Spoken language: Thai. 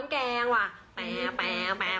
แปลวแปลวแปลวแปลว